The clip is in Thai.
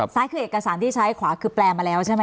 ซ้ายคือเอกสารที่ใช้ขวาคือแปลมาแล้วใช่ไหม